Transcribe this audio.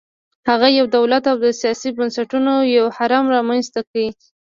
هغه یو دولت او د سیاسي بنسټونو یو هرم رامنځته کړل